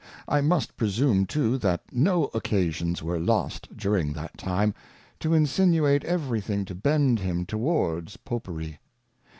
I must presume too that no Occasions were lost, during that Time, to insinuate every thing to bend him towards Popery.